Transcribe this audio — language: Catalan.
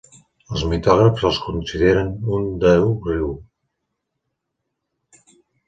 Els mitògrafs el consideren un déu-riu.